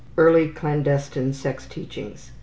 Early clandestine sex teachings.